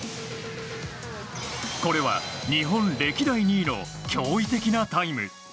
これは日本歴代２位の驚異的なタイム。